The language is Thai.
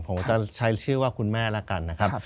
ผมจะใช้ชื่อว่าคุณแม่แล้วกันนะครับ